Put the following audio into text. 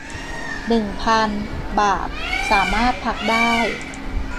หนึ่งพัน บาท สามารถพักได้